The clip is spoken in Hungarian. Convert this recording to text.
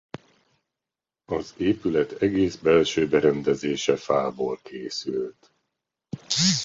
Az épület egész belső berendezése fából készült.